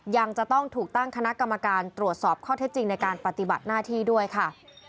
ยังจะต้องถูกตั้งคณะกรรมการตรวจสอบข้อเท็จจริงในการปฏิบัติหน้าที่ด้วยค่ะ